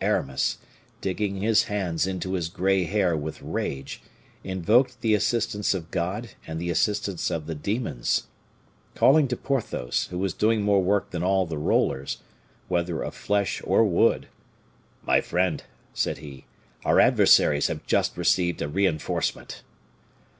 Aramis, digging his hands into his gray hair with rage, invoked the assistance of God and the assistance of the demons. Calling to Porthos, who was doing more work than all the rollers whether of flesh or wood "My friend," said he, "our adversaries have just received a reinforcement."